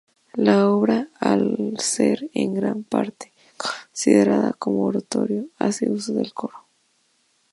La obra, al ser en gran parte considerada como oratorio, hace uso del coro.